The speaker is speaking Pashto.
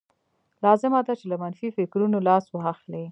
لازمه ده چې له منفي فکرونو لاس واخلئ